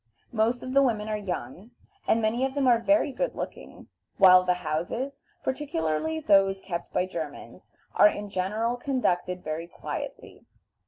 Most of the women are young, and many of them are very good looking, while the houses, particularly those kept by Germans, are in general conducted very quietly.